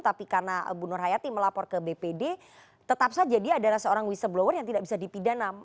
tapi karena bu nur hayati melapor ke bpd tetap saja dia adalah seorang whistleblower yang tidak bisa dipidana